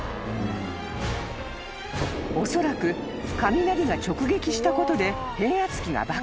［おそらく雷が直撃したことで］